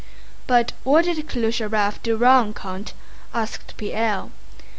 "But what did Klyucharëv do wrong, Count?" asked Pierre.